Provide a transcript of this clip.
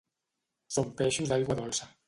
Són peixos d'aigua dolça.